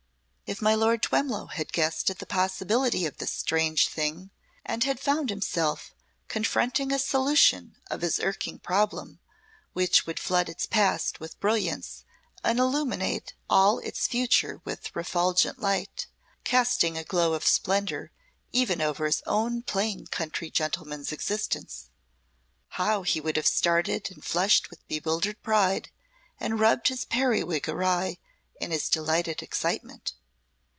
If my Lord Twemlow had guessed at the possibility of the strange thing, and had found himself confronting a solution of his carking problem which would flood its past with brilliance and illuminate all its future with refulgent light, casting a glow of splendour even over his own plain country gentleman's existence, how he would have started and flushed with bewildered pride and rubbed his periwig awry in his delighted excitement.